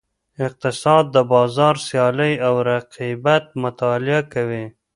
اقتصاد د بازار سیالۍ او رقیبت مطالعه کوي.